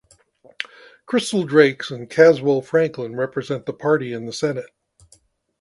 Crystal Drakes and Caswell Franklyn represent the party in the Senate.